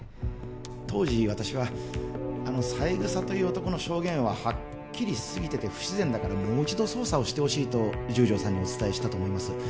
当時私はあの三枝という男の証言はハッキリしすぎてて不自然だからもう一度捜査をしてほしいと十条さんにお伝えしたと思います